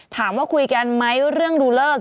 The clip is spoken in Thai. ถามว่าคุยกันไหมเรื่องดูเลิก